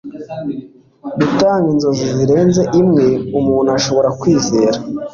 gutanga inzozi zirenze imwe umuntu ashobora kwizera